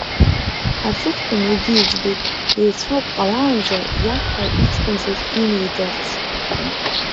Аҵыхәтәан иагьиӡбеит, еицәоу ак ҟалаанӡа, иаҳра иҷкәын заҵә имеидарц.